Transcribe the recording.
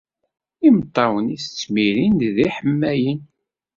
Imeṭṭawen-is ttmirin-d s yiḥemmalen.